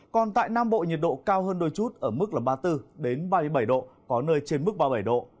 còn tại nam bộ nhiệt độ cao hơn đôi chút ở mức ba mươi bốn ba mươi bảy độ có nơi trên mức ba mươi bảy độ